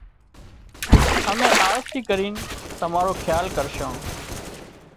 امين آز ٿي ڪرينَ تمارو کيال ڪرشان